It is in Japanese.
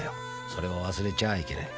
「それを忘れちゃあいけない